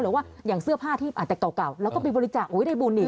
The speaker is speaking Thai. หรือว่าอย่างเสื้อผ้าที่อาจจะเก่าแล้วก็ไปบริจาคได้บุญอีก